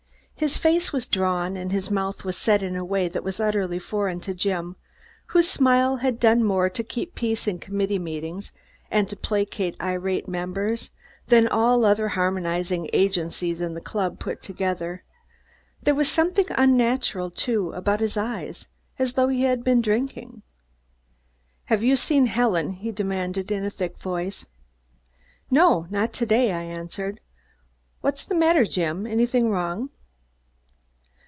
His face was drawn and his mouth was set in a way that was utterly foreign to Jim, whose smile has done more to keep peace in committee meetings and to placate irate members than all other harmonizing agencies in the club put together. There was something unnatural, too, about his eyes, as though he had been drinking. "Have you seen Helen?" he demanded in a thick voice. "No. Not to day," I answered. "What's the matter, Jim? Anything wrong?"